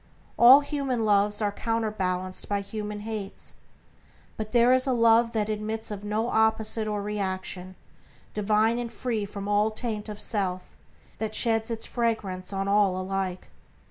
All human loves are counterbalanced by human hates; but there is a Love that admits of no opposite or reaction; divine and free from all taint of self, that sheds its fragrance on all alike.